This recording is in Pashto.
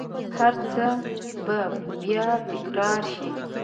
هرڅه به بیا تکرارشي